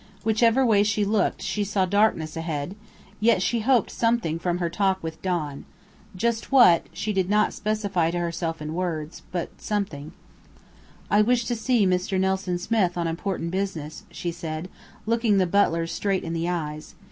Whichever way she looked she saw darkness ahead, yet she hoped something from her talk with Don just what, she did not specify to herself in words, but "something." "I wish to see Mr. Nelson Smith on important business," she said, looking the butler straight in the eyes.